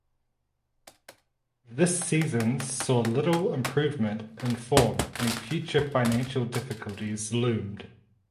This seasons saw little improvement in form and future financial difficulties loomed.